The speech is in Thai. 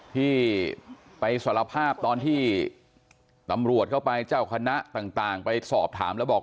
ที่ไปสารภาพตอนที่ตำรวจเข้าไปเจ้าคณะต่างไปสอบถามแล้วบอก